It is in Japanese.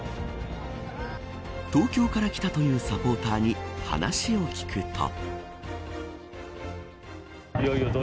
東京から来たというサポーターに話を聞くと。